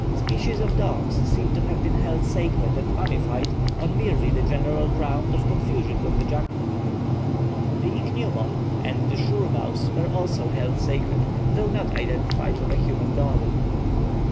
Species of dogs seem to have been held sacred and mummified on merely the general ground of confusion with the jackal. The ichneumon and the shrewmouse were also held sacred, though not identified with a human god.